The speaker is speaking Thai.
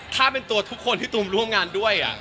ถ้าเป็นตัวทุกคนที่ตูมร่วมงานด้วย